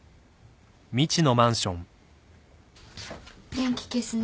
電気消すね。